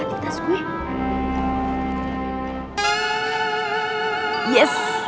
sisi udah temuin coklatnya